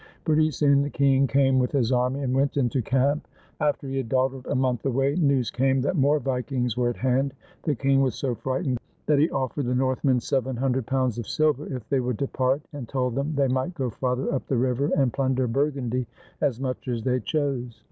Pretty soon the king came with his army, — and went into camp ! After he had dawdled a month away, news came that more Vikings were at hand. The king was so frightened that he offered the Northmen seven hundred pounds of silver if they would depart, and told them they might go farther up the river and plunder Burgundy as much as they chose.